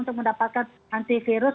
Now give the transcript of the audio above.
untuk mendapatkan antivirus